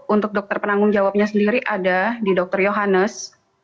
untuk dokter penanggung jawabnya sendiri ada di dr yohanes